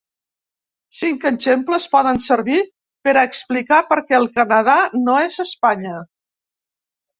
Cinc exemples poden servir per a explicar per què el Canadà no és Espanya.